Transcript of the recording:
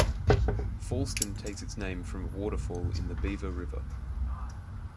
Fallston takes its name from a waterfall in the Beaver River.